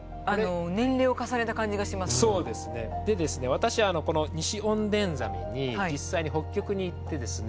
私あのこのニシオンデンザメに実際に北極に行ってですね